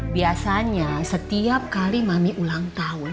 biasanya setiap kali mami ulang tahun